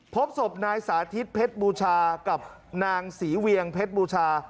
พบศพนายสาธิตเพชรบูชากับนางศรีเวียงเพชรบูชา